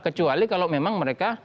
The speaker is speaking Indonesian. kecuali kalau memang mereka